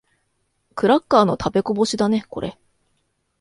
クラッカーの食べこぼしだね、これ。